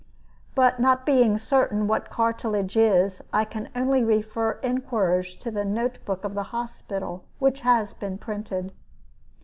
But not being certain what cartilage is, I can only refer inquirers to the note book of the hospital, which has been printed.